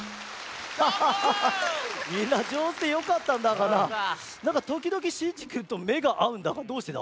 みんなじょうずでよかったんだがななんかときどきシンジくんとめがあうんだがどうしてだ？